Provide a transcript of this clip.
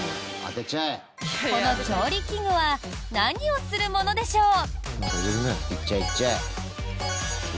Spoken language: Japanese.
この調理器具は何をするものでしょう？